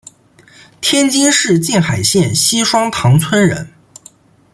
天津市静海县西双塘村人。